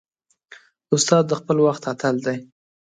استاد د خپل وخت اتل دی.